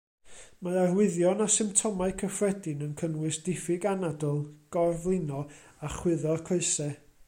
Mae arwyddion a symptomau cyffredin yn cynnwys diffyg anadl, gorflino a chwyddo'r coesau.